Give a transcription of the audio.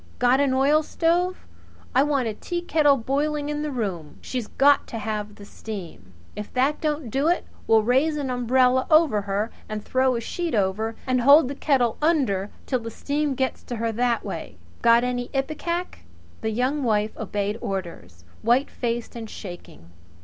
Got an oilstove? I want a teakettle boiling in the room. She's got to have the steam. If that don't do it we'll raise an umbrella over her and throw a sheet over, and hold the kettle under till the steam gets to her that way. Got any ipecac?" The Young Wife obeyed orders, whitefaced and shaking.